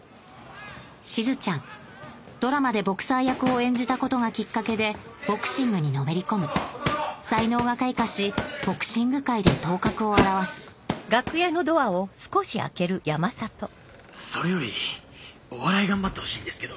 しずちゃんドラマでボクサー役を演じたことがきっかけでボクシングにのめり込む才能が開花しボクシング界で頭角を現すそれよりお笑い頑張ってほしいんですけど。